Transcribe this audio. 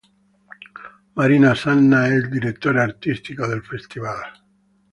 Marina Sanna è il direttore artistico del festival.